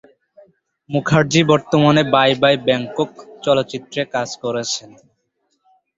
মুখার্জি বর্তমানে "bye bye Bangkok" চলচ্চিত্রে কাজ করেছেন।